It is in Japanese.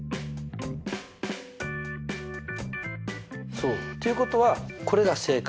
そう。ということはこれが正解。